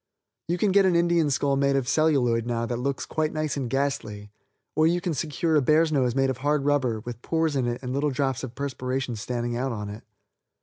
You can get an Indian skull made of celluloid now that looks quite nice and ghastly, or you can secure a bear's nose made of hard rubber, with pores in it and little drops of perspiration standing out on it.